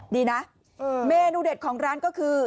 ดีนะเมนูเด็ดของร้านก็คือ